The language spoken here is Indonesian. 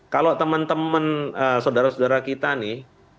kalau teman teman saudara saudara kita nih